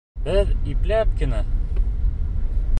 Беҙ ипләп кенә.